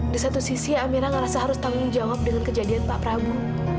di satu sisi amirah nggak rasa harus tanggung jawab dengan kejadian pak prabu